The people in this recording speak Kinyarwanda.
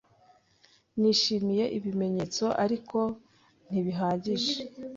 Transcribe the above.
Nishimiye ibimenyetso, ariko ntibihagije.